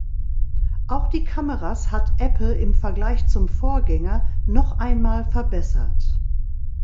Auch die Kameras hat Apple im Vergleich zum Vorgänger noch einmal verbessert.